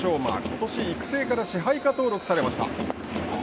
ことし、育成から支配下登録されました。